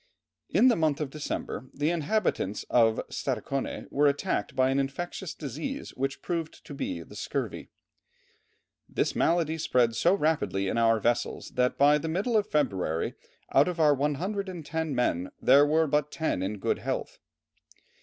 In the month of December the inhabitants of Stadaconé were attacked by an infectious disease which proved to be the scurvy. "This malady spread so rapidly in our vessels that by the middle of February out of our 110 men there were but ten in good health."